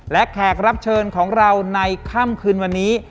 และแขกรับเชิญของเราในค่ำคืนวันนี้